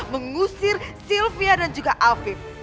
mengusir sylvia dan juga alfie